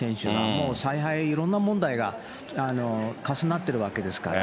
もう采配、いろんな問題が重なってるわけですから。